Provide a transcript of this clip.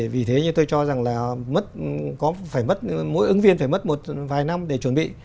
vì thế như tôi cho rằng là mỗi ứng viên phải mất một vài năm để chuẩn bị